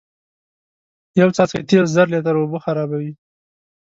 یو څاڅکی تیل زر لیتره اوبه خرابوی